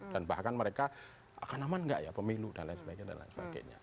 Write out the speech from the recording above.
dan bahkan mereka akan aman tidak ya pemilu dan lain sebagainya